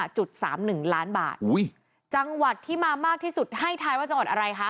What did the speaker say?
จุดสามหนึ่งล้านบาทอุ้ยจังหวัดที่มามากที่สุดให้ท้ายว่าจังหวัดอะไรคะ